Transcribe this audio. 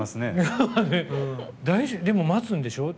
でも、待つんでしょう？